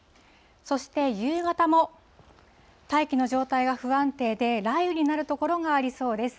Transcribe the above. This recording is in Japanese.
そして夕方も、大気の状態が不安定で、雷雨になる所がありそうです。